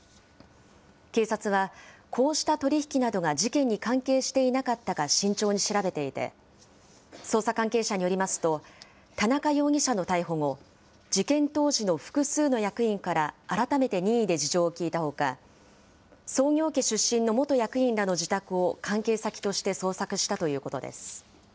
警察はこうした取り引きなどが事件に関係していなかったか慎重に調べていて、捜査関係者によりますと、田中容疑者の逮捕後、事件当時の複数の役員から、改めて任意で事情を聴いたほか、創業家出身の元役員らの自宅を、関係先として捜索したということです。